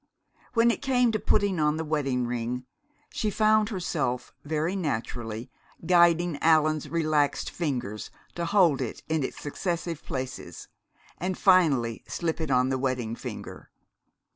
When it came to the putting on of the wedding ring, she found herself, very naturally, guiding Allan's relaxed fingers to hold it in its successive places, and finally slip it on the wedding finger.